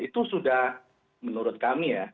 itu sudah menurut kami ya